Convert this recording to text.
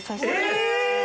え！